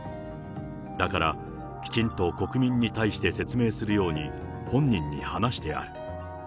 だからきちんと国民に対して説明するように、本人に話してある。